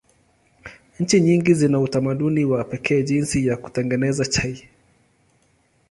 Nchi nyingi zina utamaduni wa pekee jinsi ya kutengeneza chai.